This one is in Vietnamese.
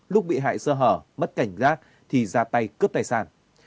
lúc bị hại sơ hở mất cảnh giác thì ra tay cướp tài sản